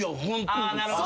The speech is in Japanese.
なるほど。